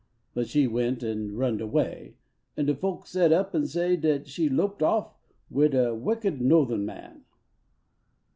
But she went and run d away. An de folks set up an sav Dat she loped off wid a wicked no then man.